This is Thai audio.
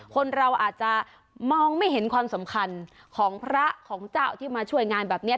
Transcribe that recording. คนเราอาจจะมองไม่เห็นความสำคัญของพระของเจ้าที่มาช่วยงานแบบนี้